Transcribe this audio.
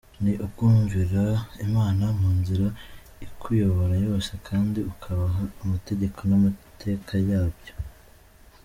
ni ukumvira Imana munzira ikuyoboramo yose kandi ukubaha amategeko n'amateka byayo.